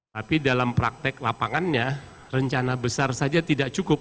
tapi dalam praktek lapangannya rencana besar saja tidak cukup